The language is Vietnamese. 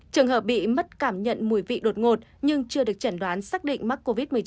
trường hợp bị mất cảm nhận mùi vị đột ngột nhưng chưa được chẩn đoán xác định mắc covid một mươi chín